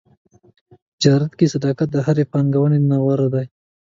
په تجارت کې صداقت د هرې پانګونې نه غوره دی.